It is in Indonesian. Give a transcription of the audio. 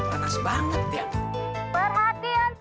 buat warga gang dangdut